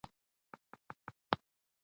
ترکيبونه بايد په خپل اصلي ډول وکارول شي.